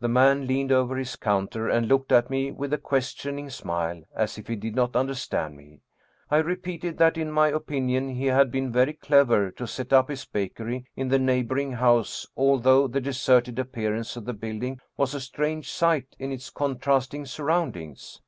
The man leaned over his counter and looked at me with a questioning smile, as if he did not understand me. I repeated that in my opinion he had been very clever to set up his bakery in the neighboring house, although the deserted appearance of the building was a strange sight in its contrasting surroundings.